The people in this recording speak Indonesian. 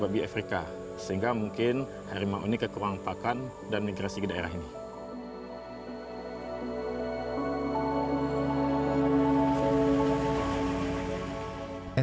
diresahkan oleh harimau betina yang memangsa sedikitnya lima ekor ternak